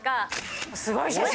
すごい写真！